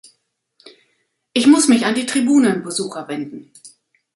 Ich muss mich an die Tribunenbesucher wenden.